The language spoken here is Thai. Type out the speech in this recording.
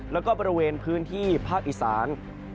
แล้วก็บริเวณพื้นที่ภาคอีสาน